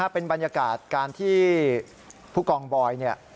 เป็นบรรยากาศการที่ผู้กองบอยเนี่ย